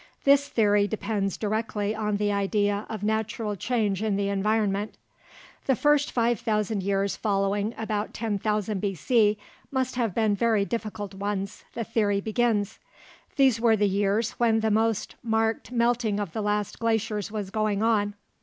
This theory depends directly on the idea of natural change in the environment. The five thousand years following about 10,000 B.C. must have been very difficult ones, the theory begins. These were the years when the most marked melting of the last glaciers was going on.